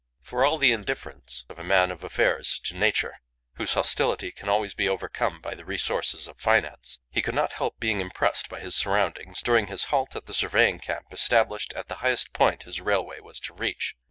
For all the indifference of a man of affairs to nature, whose hostility can always be overcome by the resources of finance, he could not help being impressed by his surroundings during his halt at the surveying camp established at the highest point his railway was to reach.